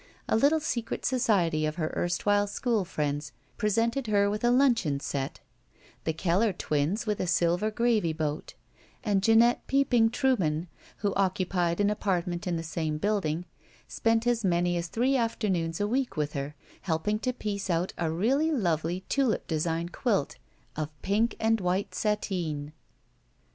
A Uttle secret society of her erstwhile school friends presented her witib a luncheon set; the Keller twins with a silver gravy boat ; and Jeanette Peopping Truman, who occupied an apartment in the same building, spent as many as three afternoons a week with her, helping to piece out a really lovely tulip design quilt of piok and wtiite sateen.